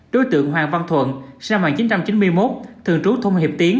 đối tượng hoàng văn thuận sinh năm một nghìn chín trăm chín mươi một thường trú thông hiệp tiến